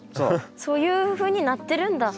そういうふうになってるんだ。